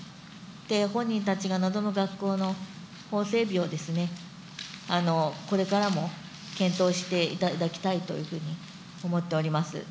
本人たちが望む学校の法整備をですね、これからも検討していただきたいというふうに思っております。